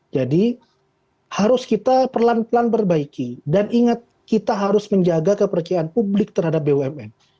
harus kita pelan pelan perbaiki dan ingat kita harus menjaga kepercayaan publik terhadap bumn